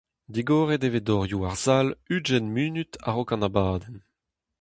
Digoret e vez dorioù ar sal ugent munut a-raok an abadenn.